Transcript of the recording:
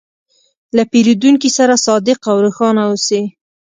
له پیرودونکي سره صادق او روښانه اوسې.